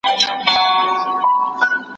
هر مشکل اساني لري.